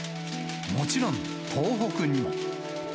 もちろん東北にも。